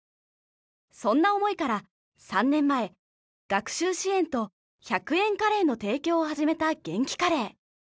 そんな思いから３年前学習支援と１００円カレーの提供を始めたげんきカレー。